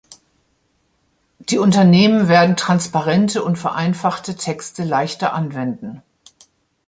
Die Unternehmen werden transparente und vereinfachte Texte leichter anwenden.